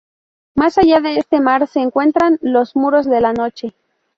Más allá de este mar se encuentran los "Muros de la Noche".